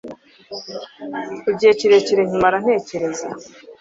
Igihe kirekire nkimara ntekereza